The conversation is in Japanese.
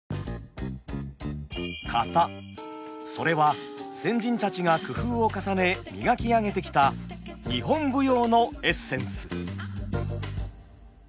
それは先人たちが工夫を重ね磨き上げてきた日本舞踊のエッセンス。